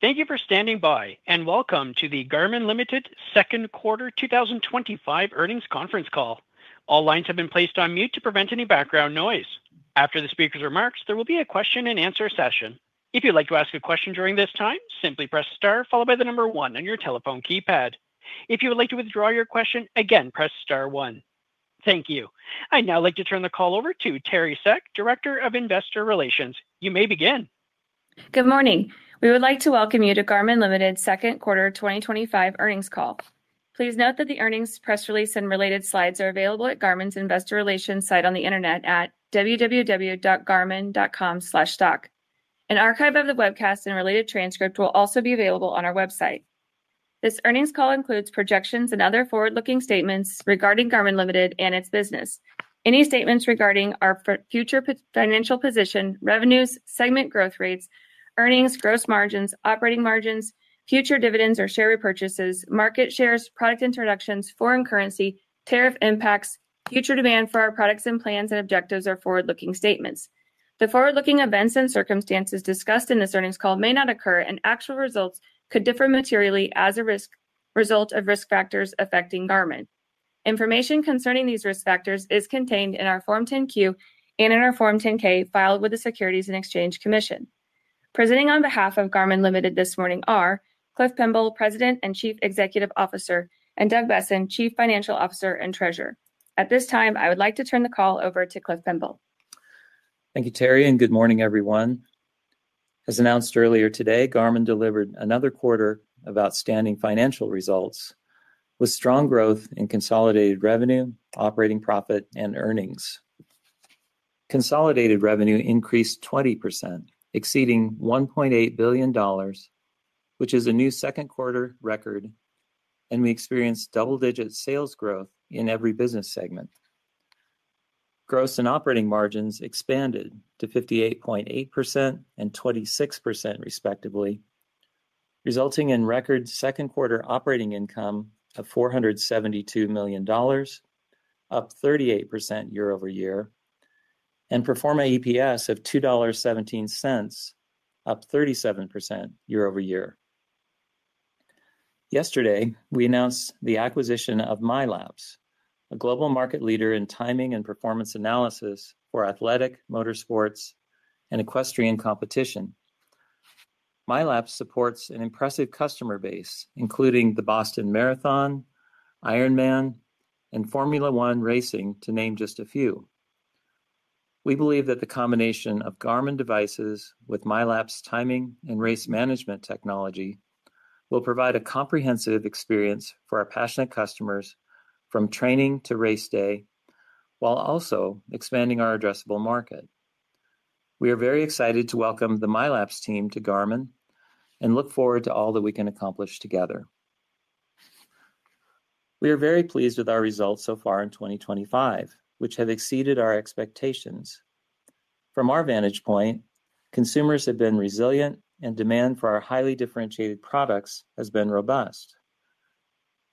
Thank you for standing by and welcome to the Garmin Ltd Second Quarter 2025 Earnings Conference Call. All lines have been placed on mute to prevent any background noise. After the speaker's remarks, there will be a question and answer session. If you'd like to ask a question during this time, simply press star followed by the number one on your telephone keypad. If you would like to withdraw your question again, press star one. Thank you. I'd now like to turn the call over to Teri Seck, Director of Investor Relations. You may begin. Good morning. We would like to welcome you to Garmin Ltd's Second Quarter 2025 Earnings Call. Please note that the earnings press release and related slides are available at Garmin's Investor Relations site on the Internet at www.garmin.com/stock. An archive of the webcast and related transcript will also be available on our website. This earnings call includes projections and other forward-looking statements regarding Garmin Ltd and its business. Any statements regarding our future financial position, revenues, segment growth rates, earnings, gross margins, operating margins, future dividends or share repurchases, market shares, product introductions, foreign currency, tariff impacts, future demand for our products and plans and objectives are forward-looking statements. The forward-looking events and circumstances discussed in this earnings call may not occur and actual results could differ materially as a result of risk factors affecting Garmin. Information concerning these risk factors is contained in our Form 10-Q and in our Form 10-K filed with the Securities and Exchange Commission. Presenting on behalf of Garmin Ltd this morning are Cliff Pemble, President and Chief Executive Officer, and Doug Boessen, Chief Financial Officer and Treasurer. At this time I would like to turn the call over to Cliff Pemble. Thank you Teri and good morning everyone. As announced earlier today, Garmin delivered another quarter of outstanding financial results with strong growth in consolidated revenue, operating profit and earnings. Consolidated revenue increased 20% exceeding $1.8 billion which is a new 2nd quarter record and we experienced double-digit sales growth in every business segment. Gross and operating margins expanded to 58.8% and 26% respectively, resulting in record 2nd quarter operating income of $472 million, up 38% year-over-year, and pro forma EPS of $2.17, up 37% year-over-year. Yesterday we announced the acquisition of MYLAPS, a global market leader in timing and performance analysis for athletic, motorsports and equestrian competition. MYLAPS supports an impressive customer base including the Boston Marathon, Ironman and Formula One Racing to name just a few. We believe that the combination of Garmin devices with MYLAPS timing and race management technology will provide a comprehensive experience for our passionate customers from training to race day while also expanding our addressable market. We are very excited to welcome the MYLAPS team to Garmin and look forward to all that we can accomplish together. We are very pleased with our results. So far in 2025 which have exceeded our expectations. From our vantage point, consumers have been resilient and demand for our highly differentiated products has been robust.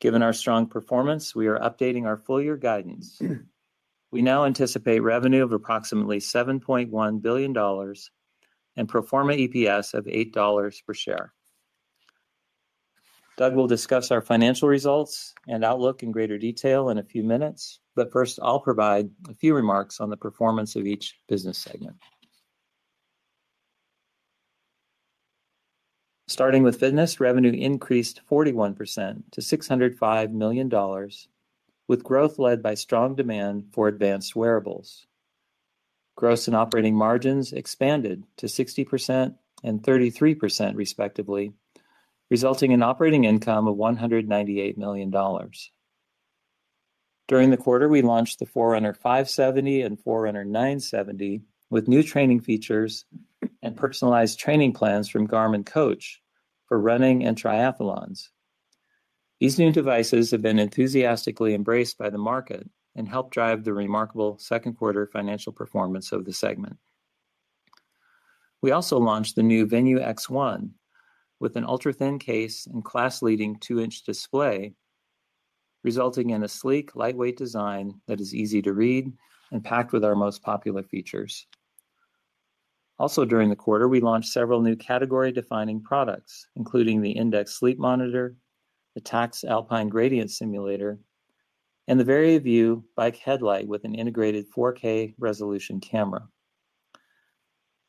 Given our strong performance, we are updating our full year guidance. We now anticipate revenue of approximately $7.1 billion and Proforma EPS of $8 per share. Doug will discuss our financial results and outlook in greater detail in a few minutes, but first I'll provide a few remarks on the performance of each business segment. Starting with Fitness, revenue increased 41% to $605 million with growth led by strong demand for advanced wearables. Gross and operating margins expanded to 60% and 33% respectively, resulting in operating income of $198 million. During the quarter we launched the Forerunner 570 and Forerunner 970 with new training features and personalized training plans from Garmin Coach for running and Triathlons. These new devices have been enthusiastically embraced by the market and helped drive the remarkable 2nd quarter financial performance of the segment. We also launched the new Venu X1 with an ultra thin case and class leading 2 in display resulting in a sleek lightweight design that is easy to read and packed with our most popular features. Also during the quarter we launched several new category defining products including the Index Sleep Monitor, the Tacx Alpine Gradient Simulator and the VariaVue Bike Headlight with an integrated 4K resolution camera.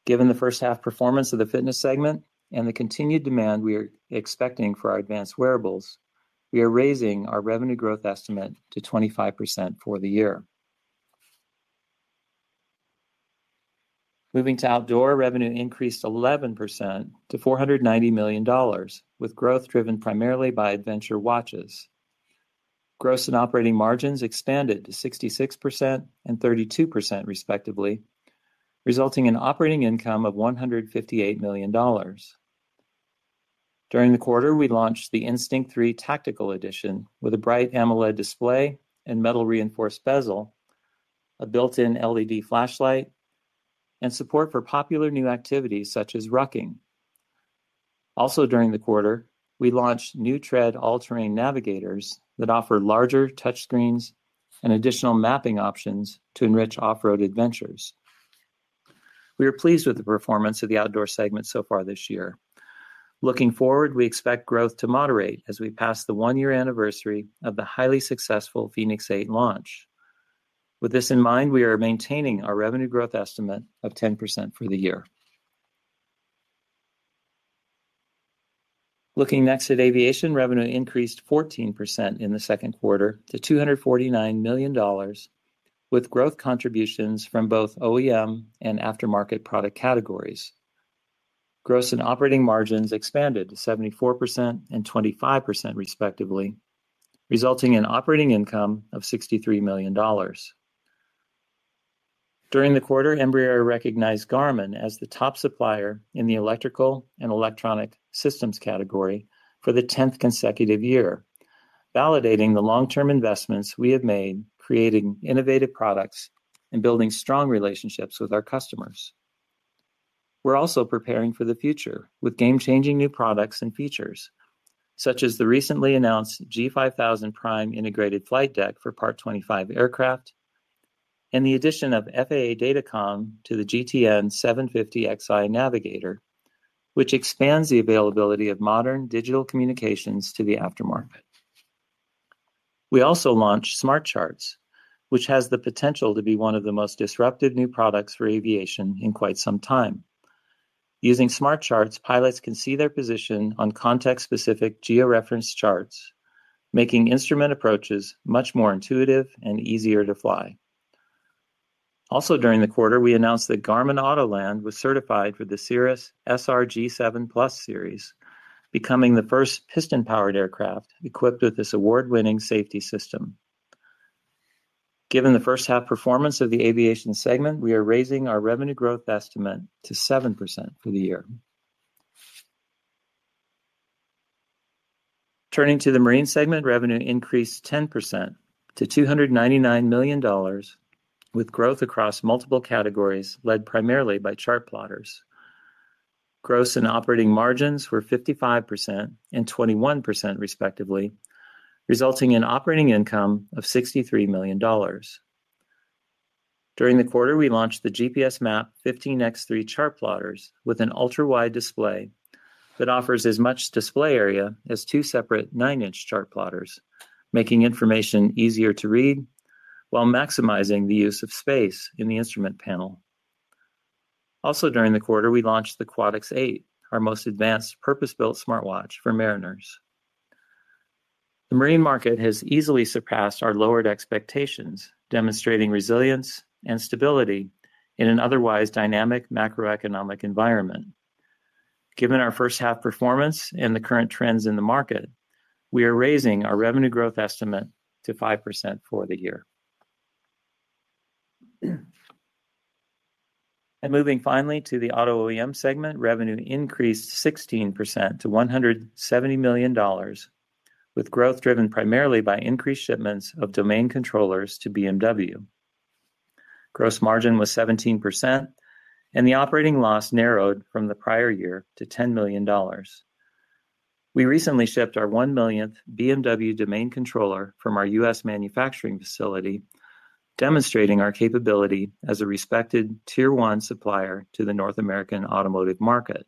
Given the 1st half performance of the fitness segment and the continued demand we are expecting for our advanced wearables, we are raising our revenue growth estimate to 25% for the year. Moving to outdoor, revenue increased 11% to $490 million with growth driven primarily by Adventure watches. Gross and operating margins expanded to 66% and 32% respectively, resulting in operating income of $158 million. During the quarter we launched the Instinct 3 Tactical Edition with a bright AMOLED display and metal reinforced bezel, a built in LED flashlight and support for popular new activities such as rucking. Also during the quarter we launched new Tread All-Terrain Navigators that offer larger touchscreens and additional mapping options to enrich off road adventures. We are pleased with the performance of the outdoor segment so far this year. Looking forward we expect growth to moderate as we pass the one year anniversary of the highly successful FĒNIX 8 launch. With this in mind, we are maintaining our revenue growth estimate of 10% for the year. Looking next at aviation, revenue increased 14% in the 2nd quarter to $249 million with growth contributions from both OEM and aftermarket product categories. Gross and operating margins expanded to 74% and 25% respectively, resulting in operating income. Of $63 million. During the quarter, Embraer recognized Garmin as the top supplier in the electrical and electronic systems category for the 10th consecutive year, validating the long term investments we have made creating innovative products and building strong relationships with our customers. We're also preparing for the future with game changing new products and features such as the recently announced G5000 PRIME INTEGRATED FLIGHT DECK for Part 25 aircraft and the addition of FAA Data comm to the GTN 750Xi Navigator, which expands the availability of modern digital communications to the aftermarket. We also launched SmartCharts, which has. The potential to be one of the. Most disruptive new products for aviation in quite some time. Using SmartCharts, pilots can see their position on context specific georeferenced charts, making instrument approaches much more intuitive and easier to fly. Also during the quarter we announced that Garmin Autoland was certified for the Cirrus SRG 7+ Series, becoming the 1st piston powered aircraft equipped with this award winning safety system. Given the 1st half performance of the aviation segment, we are raising our revenue growth estimate to 7% for the year. Turning to the marine segment, revenue increased 10% to $299 million with growth across multiple categories led primarily by chart plotters. Gross and operating margins were 55% and 21% respectively, resulting in operating income of $63 million. During the quarter we launched the GPSMAP 153x3 Chartplotters with an ultra wide display that offers as much display area as two separate 9 in chart plotters, making information easier to read while maximizing the use of space in the instrument panel. Also during the quarter we launched the quatix 8, our most advanced purpose built smartwatch for mariners. The marine market has easily surpassed our lowered expectations, demonstrating resilience and stability in an otherwise dynamic macroeconomic environment. Given our 1st half performance and the current trends in the market, we are raising our revenue growth estimate to 5%. For the year. Moving finally to the Auto OEM segment. Revenue increased 16% to $170 million with growth driven primarily by increased shipments of domain controllers to BMW. Gross margin was 17% and the operating loss narrowed from the prior year to $10 million. We recently shipped our 1 millionth BMW domain controller from our U.S. manufacturing facility, demonstrating our capability as a respected tier one supplier to the North American Automotive Market.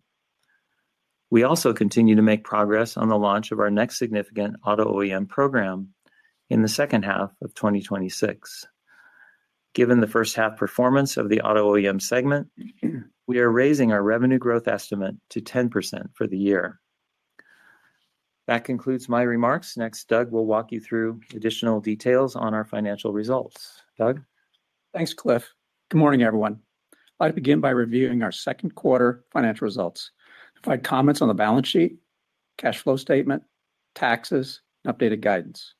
We also continue to make progress on the launch of our next significant auto OEM program in the 2nd half of 2026. Given the 1st half performance of the Auto OEM segment, we are raising our revenue growth estimate to 10% for the year. That concludes my remarks. Next, Doug will walk you through additional details on our financial results. Doug Thanks Cliff. Good morning everyone. I'd like to begin by reviewing our 2nd quarter financial results. Provide comments on the balance sheet, cash flow statement, taxes, updated guidance.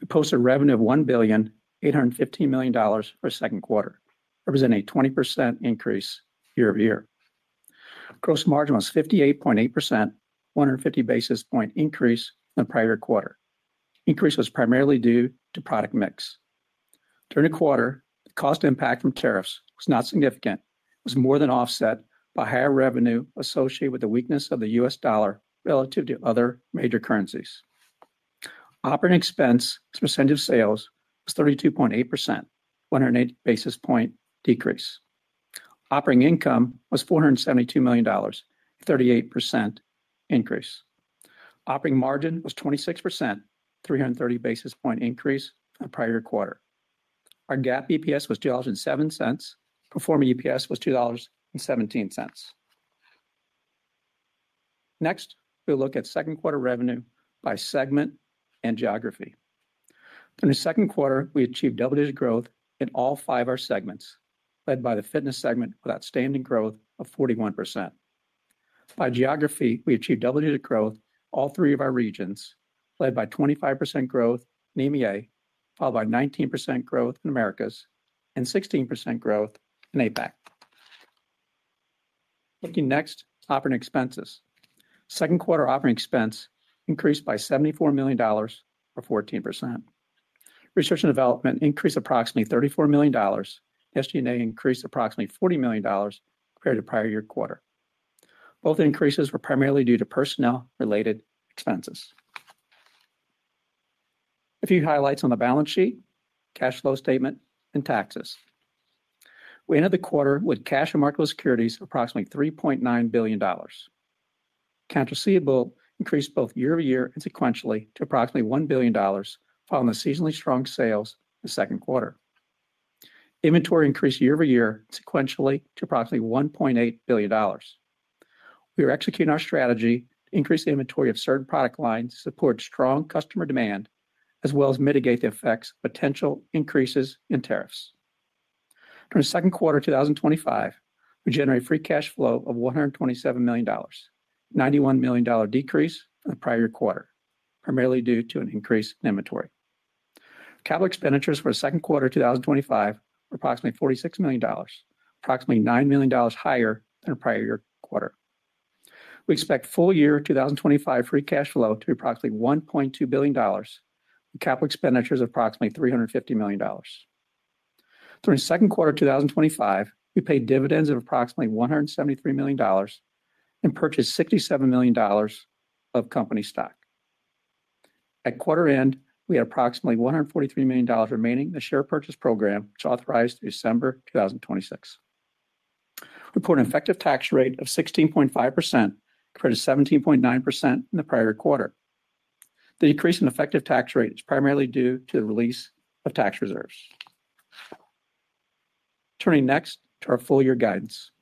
We post a revenue of $1,815,000,000 for 2nd quarter representing a 20% increase year-over-year. Gross margin was 58.8%, 150 basis point increase. The prior quarter increase was primarily due to product mix. During the quarter the cost impact from tariffs was not significant, was more than offset by higher revenue associated with the weakness of the U.S. dollar relative to other major currencies. Operating expense as a percentage of sales was 32.8%, 108 basis point decrease. Operating income was $472 million, 38% increase. Operating margin was 26%, 330 basis point increase. A prior year quarter our GAAP EPS was $2.07. Proforma EPS was $2.17. Next we'll look at 2nd quarter revenue by segment and geography. In the 2nd quarter we achieved double digit growth in all five our segments led by the fitness segment with outstanding growth of 41%. By geography we achieved double digit growth in all three of our regions led by 25% growth in EMEA, followed by 19% growth in Americas and 16% growth in APAC. Looking next at operating expenses, 2nd quarter operating expense increased by $74 million or 14%. Research and development increased approximately $34 million. SG&A increased approximately $40 million compared to prior year quarter. Both increases were primarily due to personnel related expenses. A few highlights on the balance sheet, cash flow statement, and taxes. We ended the quarter with cash and marketable securities approximately $3.9 billion. Accounts receivable increased both year-over-year and sequentially to approximately $1 billion. Following the seasonally strong sales, the 2nd quarter inventory increased year-over-year and sequentially to approximately $1.8 billion. We are executing our strategy to increase the inventory of certain product lines, support strong customer demand, as well as mitigate the effects of potential increases in tariffs. During the 2nd quarter 2025 we generated free cash flow of $127 million, $91 million decrease from the prior year quarter, primarily due to an increase in inventory. Capital expenditures for the 2nd quarter 2025 were approximately $46 million, approximately $9 million higher than a prior year quarter. We expect full year 2025 free cash flow to be approximately $1.2 billion. Capital expenditures of approximately $350 million. During 2nd quarter 2025, we paid dividends of approximately $173 million and purchased $67 million of company stock. At quarter end we had approximately $143 million remaining. The share purchase program, which authorized December 2026, report an effective tax rate of 16.5% compared to 17.9% in the prior quarter. The decrease in effective tax rate is primarily due to the release of tax reserves. Turning next to our full year guidance,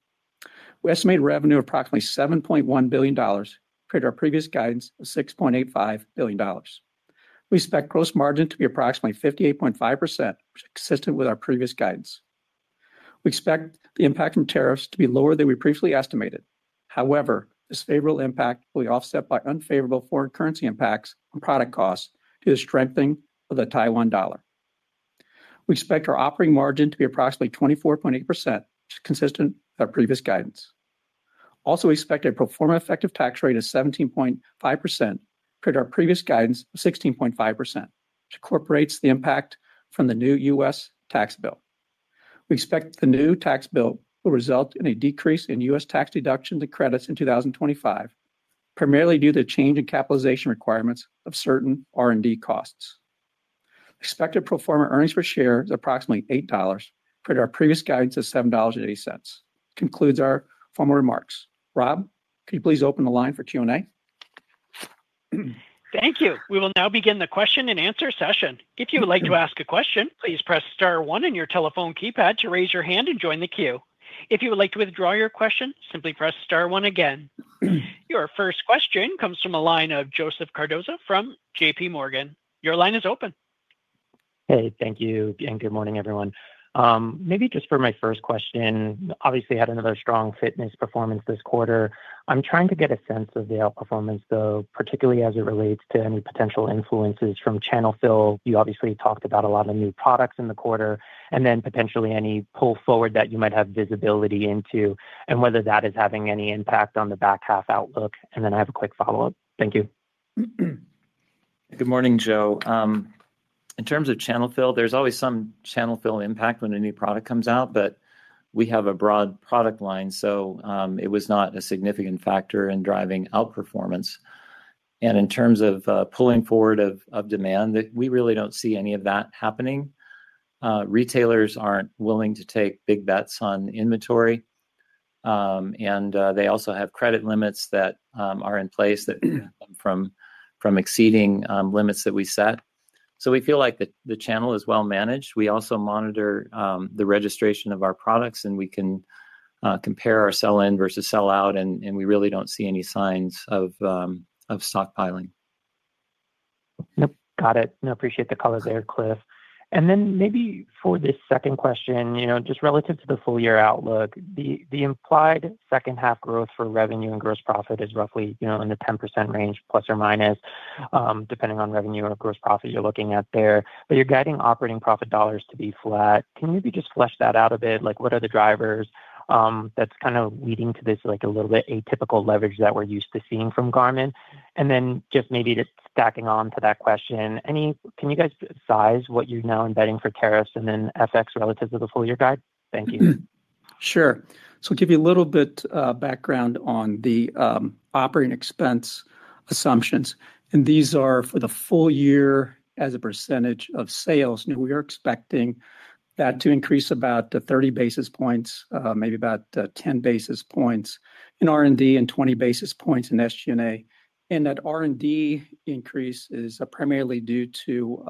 we estimate revenue of approximately $7.1 billion compared to our previous guidance of $6.85 billion. We expect gross margin to be approximately 58.5% consistent with our previous guidance. We expect the impact from tariffs to be lower than we previously estimated. However, this favorable impact will be offset by unfavorable foreign currency impacts on product costs due to strengthening of the New Taiwan dollar. We expect our operating margin to be approximately 24.8% consistent with our previous guidance. Also expect a Proforma effective tax rate of 17.5% compared to our previous guidance of 16.5% which incorporates the impact from the new U.S. tax bill. We expect the new tax bill will result in a decrease in U.S. tax deductions and credits in 2025 primarily due to change in capitalization requirements of certain R&D costs. Expected Proforma earnings per share is approximately $8 for our previous guidance of $7.80. That concludes our formal remarks. Rob, can you please open the line for Q and A? Thank you. We will now begin the question and answer session. If you would like to ask a question, please press star one on your telephone keypad to raise your hand and join the queue. If you would like to withdraw your question, simply press star one. Again, your first question comes from the line of Joseph Cardoso from J.P. Morgan. Your line is open. Hey, thank you and good morning everyone. Maybe just for my 1st question. Obviously had another strong fitness performance this quarter. I'm trying to get a sense of the outperformance though, particularly as it relates to any potential influences from channel fill. You obviously talked about a lot of new products in the quarter and then potentially any pull forward that you might have visibility into and whether that is having any impact on the back half outlook, and then I have a quick follow up. Thank you. Good morning Joe. In terms of channel fill, there's always. Some channel fill impact when a new product comes out. We have a broad product line so it was not a significant factor in driving outperformance. In terms of pulling forward of demand, we really do not see any of that happening. Retailers are not willing to take big bets on inventory and they also have credit limits that are in place that prevent exceeding limits that we set. We feel like the channel is well managed. We also monitor the registration of our products and we can compare our sell in versus sell out and we really do not see any signs of stockpiling. Got it. Appreciate the color there, Cliff. Maybe for this second question, just relative to the full year outlook, the implied 2nd half growth for revenue and gross profit is roughly in the 10% range, plus or minus, depending on revenue or gross profit you're looking at there. You're guiding operating profit dollars to be flat. Can you just flesh that out a bit, like what are the drivers that's kind of leading to this, like a little bit atypical leverage that we're used to seeing from Garmin? Just maybe stacking on to that question, can you guys size what you're now embedding for tariffs and then FX relative to the full year guide? Thank you. Sure. So give you a little bit background on the operating expense assumptions and these are for the full year as a percentage of sales. Now we are expecting that to increase about 30 basis points, maybe about 10 basis points in R&D and 20 basis points in SG&A. And that R&D increase is primarily due to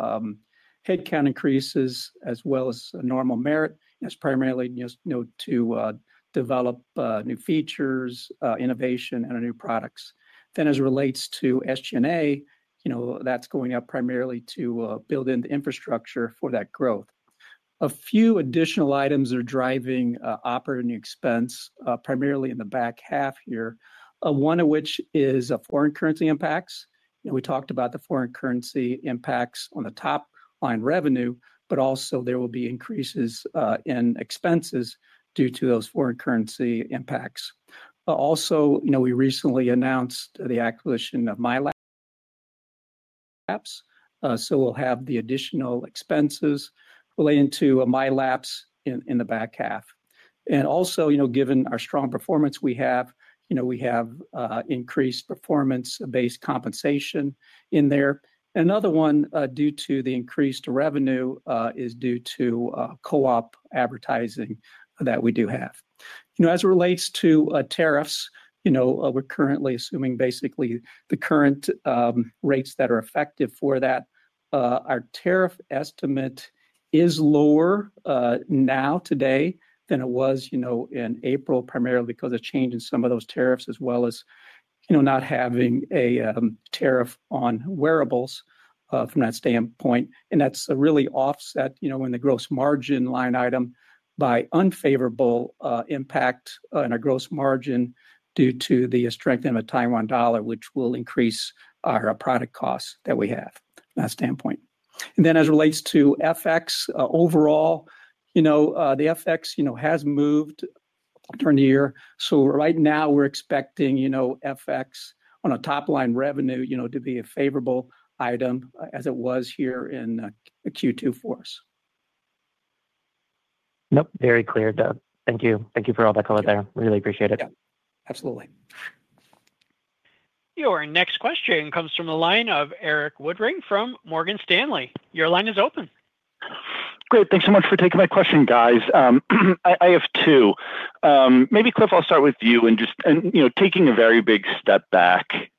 headcount increases as well as normal merit as primarily to develop new features, innovation and new products. As it relates to SG&A that's going up primarily to build in the infrastructure for that growth. A few additional items are driving operating expense primarily in the back half here, one of which is a foreign currency impact. We talked about the foreign currency impacts on the top line revenue but also there will be increases in expenses due to those foreign currency impacts. Also we recently announced the acquisition of MYLAPS. So we'll have the additional expenses relating to MYLAPS in the back half. Also given our strong performance we have, you know, we have increased performance based compensation in there. Another one due to the increased revenue is due to co-op advertising that we do have. As it relates to tariffs, you know, we're currently assuming basically the current rates that are effective for that. Our tariff estimate is lower now today than it was, you know, in April, primarily because of change in some of those tariffs as well as, you know, not having a tariff on wearables from that standpoint. That's really offset, you know, when the gross margin line item by unfavorable impact on a gross margin due to the strength of a New Taiwan dollar which will increase our product costs. That we have standpoint. As it relates to FX overall, you know, the FX, you know, has moved during the year. Right now we're expecting, you know, FX on a top line revenue, you know, to be a favorable item as it was here in Q2 for us. Nope. Very clear. Doug, thank you, thank you for all that color there. Really appreciate it. Absolutely. Your next question comes from the line of Erik Woodring from Morgan Stanley. Your line is open. Great. Thanks so much for taking my question, guys. I have two, maybe Cliff, I'll start with you. And just, you know, taking a very big step back,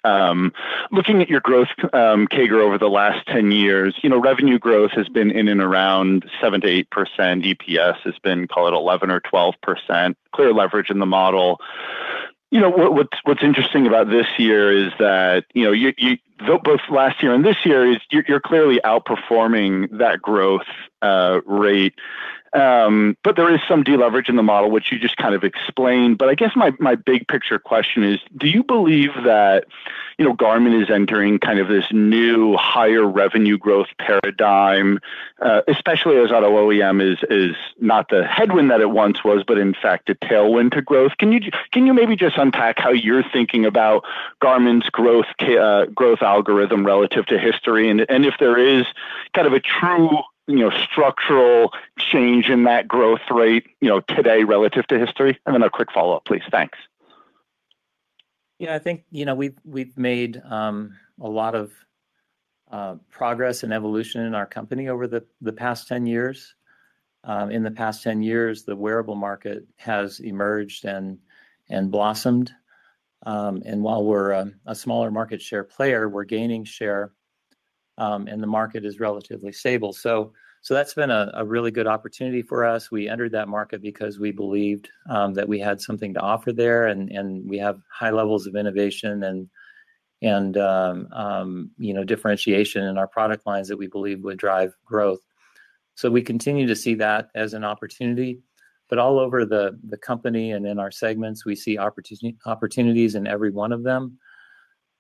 looking at your growth CAGR over the last 10 years, you know, revenue growth has been in and around 7-8%. EPS has been, call it 11 or 12%, clear leverage in the model. You know what's interesting about this year is that, you know, both last year and this year you're clearly outperforming that growth rate. But there is some deleverage in the model which you just kind of explained. But I guess my big picture question is, do you believe that Garmin is entering kind of this new higher revenue growth paradigm, especially as auto OEM is not the headwind that it once was, but in fact a tailwind to growth. Can you maybe just unpack how you're thinking about Garmin's growth algorithm relative to history? If there is kind of a true structural change in that growth rate today relative to history. And then a quick follow up please. Thanks. Yeah, I think we've made a lot of progress and evolution in our company over the past 10 years. In the past 10 years, the wearable market has emerged and blossomed. While we're a smaller market share player, we're gaining share and the market is relatively stable. That's been a really good opportunity for us. We entered that market because we believed that we had something to offer there. We have high levels of innovation and differentiation in our product lines that we believe would drive growth. We continue to see that as an opportunity. All over the company and in our segments we see opportunities in every one of them.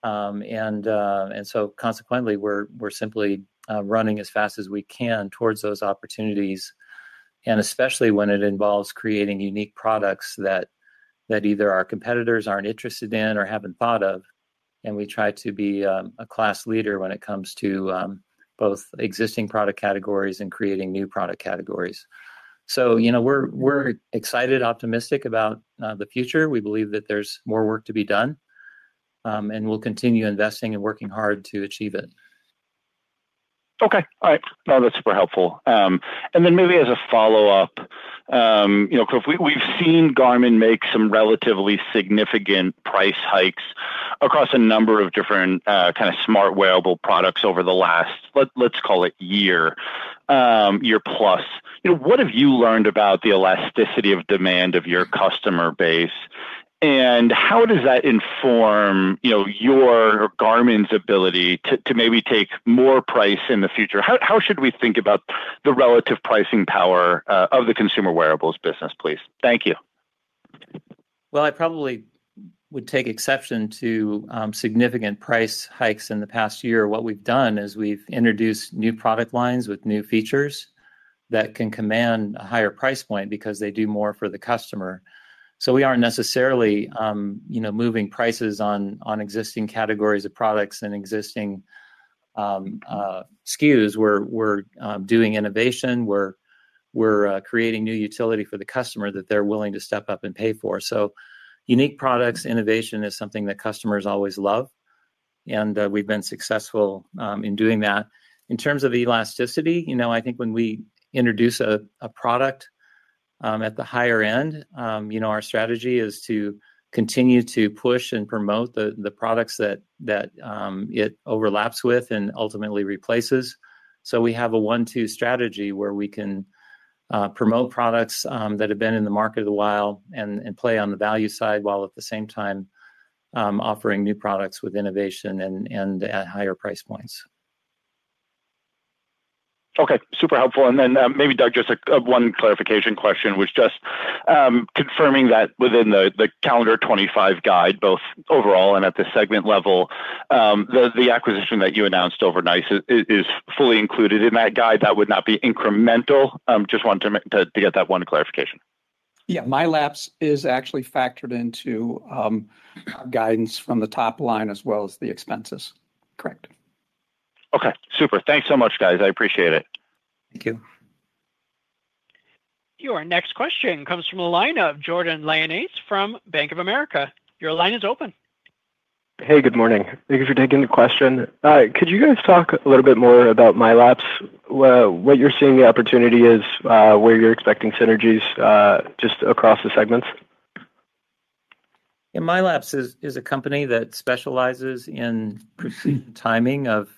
Consequently, we're simply running as fast as we can towards those opportunities. Especially when it involves creating unique products that either our competitors aren't interested in or haven't thought of. We try to be a class leader when it comes to both existing product categories and creating new product categories. We're excited, optimistic about the future. We believe that there's more work to be done and we'll continue investing and working hard to achieve it. Okay, all right, that's super helpful. Maybe as a follow up, you know, we've seen Garmin make some relatively significant price hikes across a number of different kind of smart wearable products over the last, let's call it year plus. What have you learned about the elasticity of demand of your customer base? And how does that inform your or Garmin's ability to maybe take more price in the future? How should we think about the relative pricing power of the consumer wearables business? Please. Thank you. I probably would take exception to significant price hikes in the past year. What we've done is we've introduced new product lines with new features that can command a higher price point because they do more for the customer. We aren't necessarily moving prices on existing categories of products and existing SKUs. We're doing innovation. We're creating new utility for the customer that they're willing to step up and pay for. Unique products innovation is something that customers always love and we've been successful in doing that. In terms of elasticity, I think when we introduce a product at the higher end, you know, our strategy is to continue to push and promote the products that it overlaps with and ultimately replaces. We have a 1, 2 strategy where we can promote products that have been in the market a while and play on the value side while at the same time offering new products with innovation and at higher price points. Okay, super helpful. Maybe Doug, just one clarification. Question was just confirming that within the calendar 2025 guide, both overall and at the segment level, the acquisition that you announced over Nice is fully included in that guide. That would not be incremental. Just wanted to get that one clarification. Yeah, MYLAPS is actually factored into guidance from the top line as well as the expenses. Correct. Okay, super. Thanks so much guys. I appreciate it. Thank you. Your next question comes from the line of Jordan Lyonnais from Bank of America. Your line is open. Hey, good morning. Thank you for taking the question. Could you guys talk a little bit more about MYLAPS? What you're seeing the opportunity is where you're expecting synergies just across the segments. MYLAPS is a company that specializes in timing of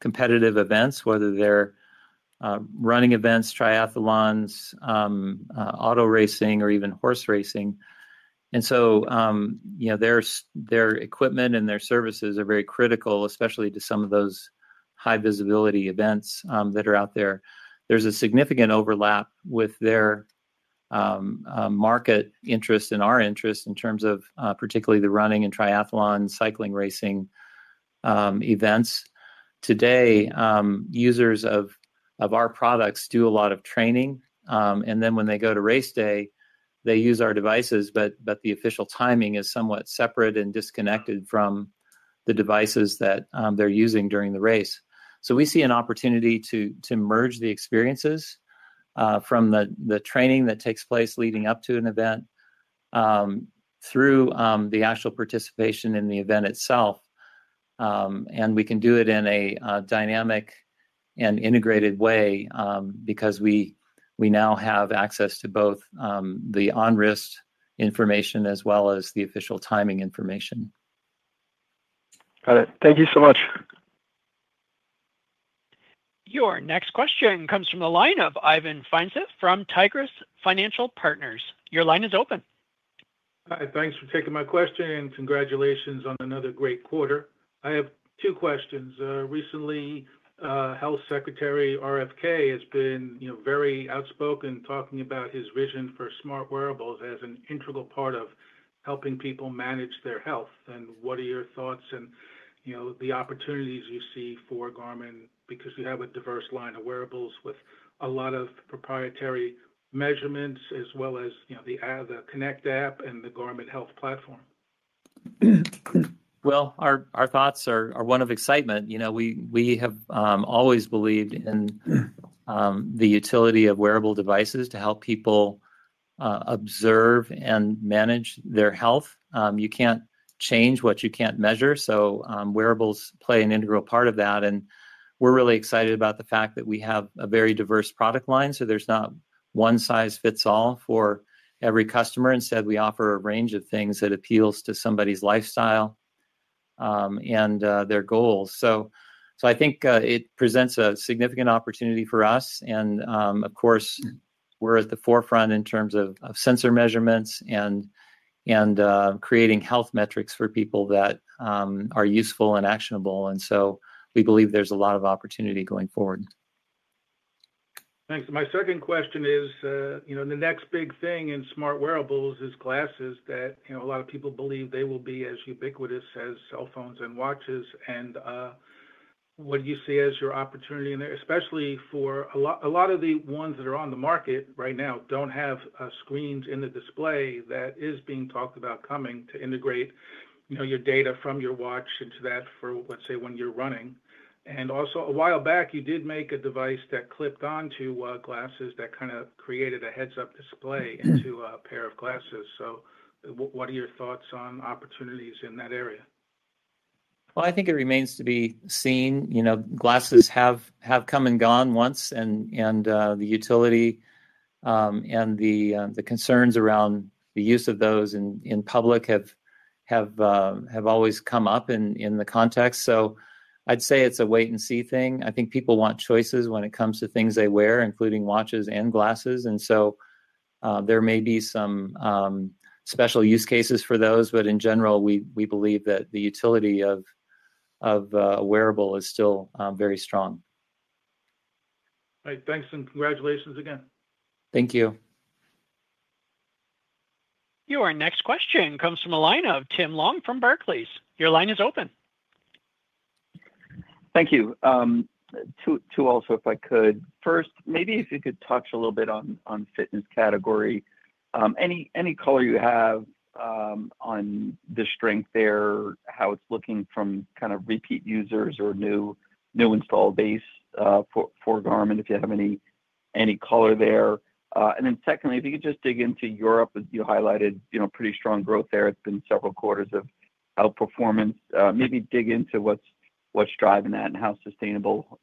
competitive events, whether they're running events, Triathlons, auto racing, or even horse racing. Their equipment and their services are very critical, especially to some of those high visibility events that are out there. There's a significant overlap with their market interest and our interest in terms of particularly the running and Trithlon cycling racing events. Today, users of our products do a lot of training and then when they go to race day, they use our devices, but the official timing is somewhat separate and disconnected from the devices that they're using during the race. We see an opportunity to merge the experiences from the training that takes place leading up to an event through the actual participation in the event itself. We can do it in a dynamic and integrated way because we now have access to both the on-race information as well as the official timing information. Got it. Thank you so much. Your next question comes from the line of Ivan Feinseth from Tigress Financial Partners. Your line is open. Thanks for taking my question and congratulations on another great quarter. I have two questions. Recently, Health Secretary RFK has been very outspoken talking about his vision for smart wearables as an integral part of helping people manage their health. What are your thoughts and, you know, the opportunities you see for Garmin because you have a diverse line of wearables with a lot of proprietary measurements as well as, you know, the Connect app and the Garmin health platform? Our thoughts are one of excitement. You know, we have always believed in the utility of wearable devices to help people observe and manage their health. You can't change what you can't measure. Wearables play an integral part of that. We are really excited about the fact that we have a very diverse product line. There is not one size fits all for every customer. Instead, we offer a range of things that appeals to somebody's lifestyle and their goals. I think it presents a significant opportunity for us. Of course, we are at the forefront in terms of sensor measurements and creating health metrics for people that are useful and actionable. We believe there is a lot of opportunity going forward. Thanks. My 2nd question is the next big thing in smart wearables is glasses that a lot of people believe they will be as ubiquitous as cell phones and watches. What do you see as your opportunity, especially for a lot of the ones that are on the market right now, that do not have screens in the display that is being talked about coming to integrate your data from your watch into that for, let's say, when you're running? Also, a while back you did make a device that clipped onto glasses that kind of created a heads up display into a pair of glasses. What are your thoughts on opportunities in that area? I think it remains to be seen. You know, glasses have come and gone once and the utility and the concerns around the use of those in public have always come up in the context. I'd say it's a wait and see thing. I think people want choices when it comes to things they wear, including watches and glasses. There may be some special use cases for those. In general we believe that the utility of wearable is still very strong. Thanks and congratulations again. Thank you. Your next question comes from a line of Tim Long from Barclays. Your line is open. Thank you. Two. Also, if I could first, maybe if you could touch a little bit on fitness category, any color you have on the strength there, how it's looking from kind of repeat users or new install base for Garmin, if you have any color there. Then secondly, if you could just dig into Europe, you highlighted pretty strong growth there. It's been several quarters of outperformance. Maybe dig into what's driving that and how sustainable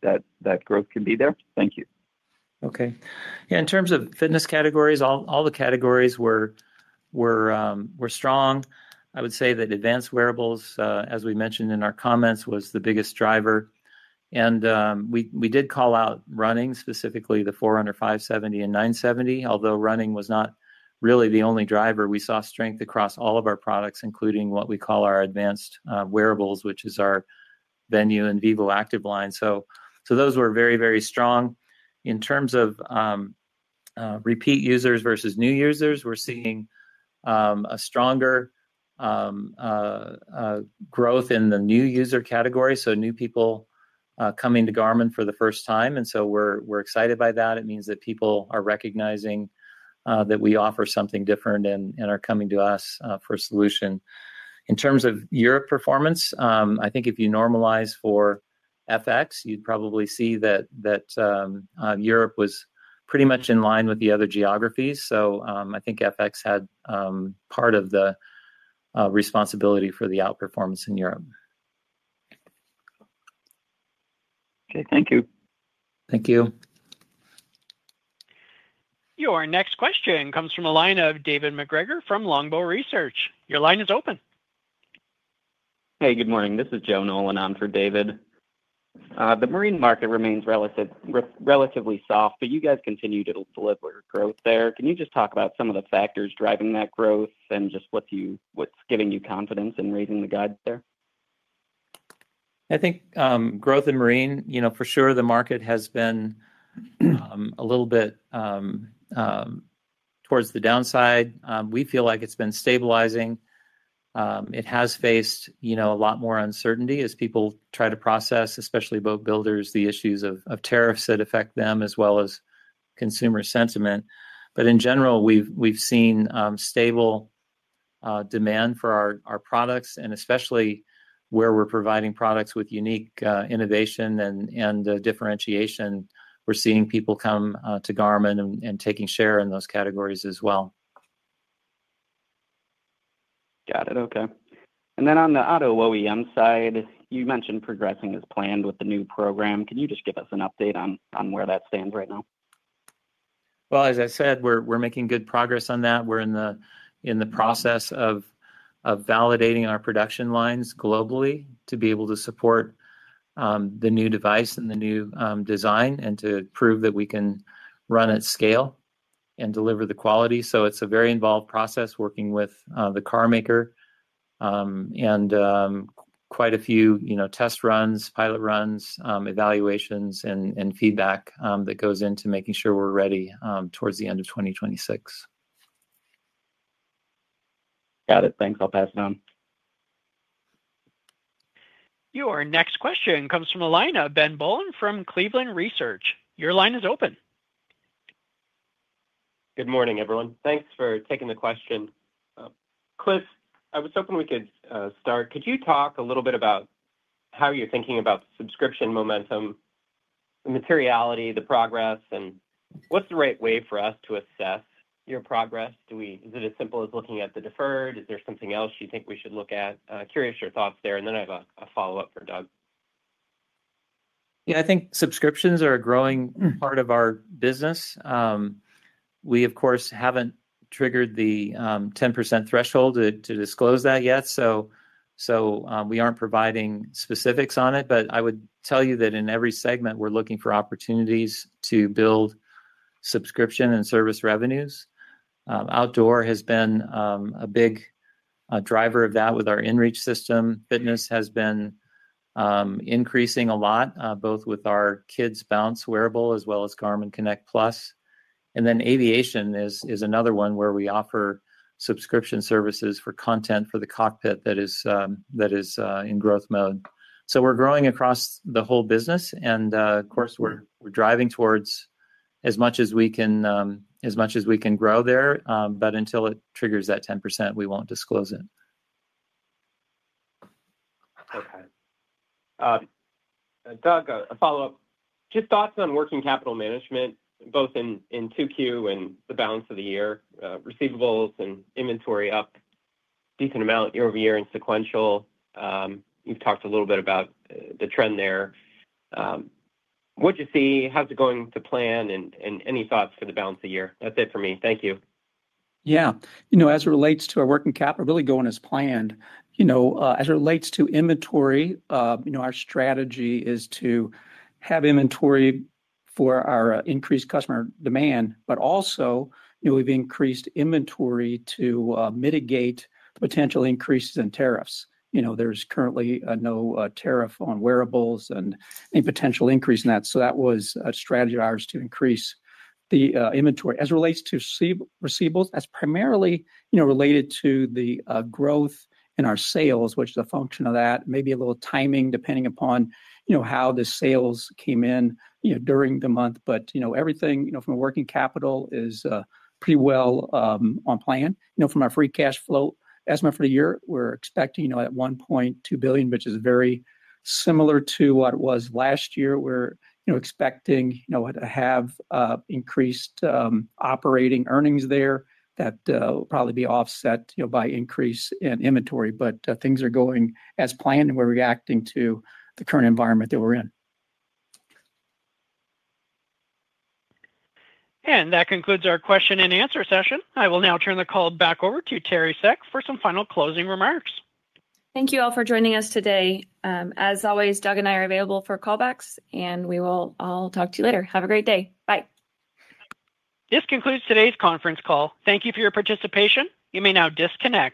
that growth can be there. Thank you. Okay, in terms of fitness categories, all. The categories were strong. I would say that advanced wearables, as we mentioned in our comments, was the biggest driver and we did call out running, specifically the 400, 570 and 970. Although running was not really the only driver. We saw strength across all of our products, including what we call our advanced wearables, which is our Venu and vivoactive line. Those were very, very strong. In terms of repeat users versus new users, we're seeing a stronger growth in the new user category. New people coming to Garmin for the first time. We are excited by that. It means that people are recognizing that we offer something different and are coming to us for a solution. In terms of Europe performance, I think if you normalize for FX, you'd probably see that Europe was pretty much in line with the other geographies. I think FX had part of the responsibility for the outperformance in Europe. Okay, thank you. Thank you. Your next question comes from the line of David MacGregor from Longbow Research. Your line is open. Hey, good morning, this is Joe Nolan on for David. The marine market remains relatively soft, but you guys continue to deliver growth there. Can you just talk about some of the factors driving that growth and just what you what's giving you confidence in raising the guide there? I think growth in marine, you know, for sure, the market has been a little bit towards the downside. We feel like it's been stabilizing. It has faced a lot more uncertainty as people try to process, especially boat builders, the issues of tariffs that affect. Them as well as consumer sentiment. In general, we've seen stable demand for our products. Especially where we're providing products with unique innovation and differentiation, we're seeing people come to Garmin and taking share in those categories as well. Got it. Okay. On the auto OEM side, you mentioned progressing as planned with the new program. Can you just give us an update on where that stands right now? As I said, we're making good progress on that. We're in the process of validating our production lines globally to be able to support the new device and the new design and to prove that we can run at scale and deliver the quality. It is a very involved process working with the carmaker and quite a few, you know, test runs, pilot runs, evaluations and feedback that goes into making sure we're ready towards the end of 2026. Got it. Thanks. I'll pass it on. Your next question comes from Ben Bollin from Cleveland Research. Your line is open. Good morning, everyone. Thanks for taking the question, Cliff. I was hoping we could start. Could you talk a little bit about how you're thinking about subscription momentum, the materiality, the progress, and what's the right way for us to assess your progress? Is it as simple as looking at the deferred? Is there something else you think we should look at? Curious your thoughts there? I have a follow up for Doug. Yeah, I think subscriptions are a growing. Part of our business. We, of course, have not triggered the 10% threshold to disclose that yet, so we are not providing specifics on it. I would tell you that in every segment, we are looking for opportunities to build subscription and service revenues. Outdoor has been a big driver of. That with our inReach system. Fitness has been increasing a lot, both with our kids Bounce Wearable as well as Garmin Connect+. Then aviation is another one where we offer subscription services for content for the cockpit that is in growth mode. We are growing across the whole business and of course we are driving towards as much as we can, as much as we can grow there. Until it triggers that 10%, we will not disclose it. Okay, Doug, a follow up. Just thoughts on working capital management both in 2Q and the balance of the year. Receivables and inventory up decent amount year over year and sequential. You've talked a little bit about the trend there. What you see, how's it going to plan and any thoughts for the balance of the year? That's it for me. Thank you. Yeah, you know, as it relates to our working capital, really going as planned, you know, as it relates to inventory, you know, our strategy is to have inventory for our increased customer demand, but also, you know, we've increased inventory to mitigate potential increases in tariffs. You know, there's currently no tariff on wearables and a potential increase in that. That was a strategy to increase the inventory as it relates to receivables. That's primarily, you know, related to the growth in our sales, which is a function of that. Maybe a little timing depending upon, you know, how the sales came in during the month. You know, everything, you know, from working capital is pretty well on plan. You know, from our free cash flow estimate for the year, we're expecting, you know, at $1.2 billion, which is very similar to what it was last year. We're expecting to have increased operating earnings there. That will probably be offset by increase in inventory. Things are going as planned and we're reacting to the current environment that we're in. That concludes our question and answer session. I will now turn the call back over to Teri Seck for some final closing remarks. Thank you all for joining us today. As always, Doug and I are available for callbacks and we will all talk to you later. Have a great day. Bye. This concludes today's conference call. Thank you for your participation. You may now disconnect.